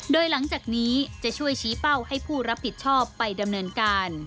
โดยหลังจากนี้จะช่วยชี้เป้าให้ผู้รับผิดชอบไปดำเนินการ